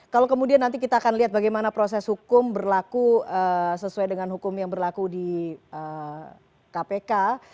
kalau kemudian nanti kita akan lihat bagaimana proses hukum berlaku sesuai dengan hukum yang berlaku di kpk